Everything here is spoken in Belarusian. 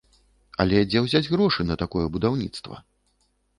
Але дзе ўзяць грошы на такое будаўніцтва?